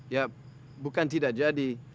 ya bukan tidak jadi